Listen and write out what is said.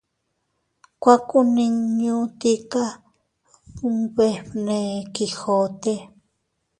—Kuakunniñu tika —nbefne Quijote—.